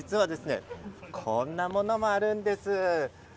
こんなものもあるんです。